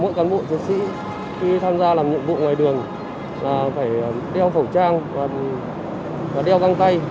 mỗi cán bộ chiến sĩ khi tham gia làm nhiệm vụ ngoài đường là phải đeo khẩu trang và đeo găng tay